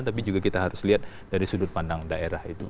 tapi juga kita harus lihat dari sudut pandang daerah itu